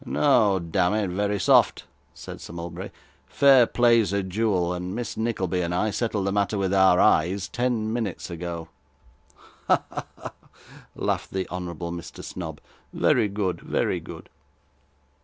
'No, damn it, Verisopht,' said Sir Mulberry, 'fair play's a jewel, and Miss Nickleby and I settled the matter with our eyes ten minutes ago.' 'Ha, ha, ha!' laughed the honourable Mr. Snobb, 'very good, very good.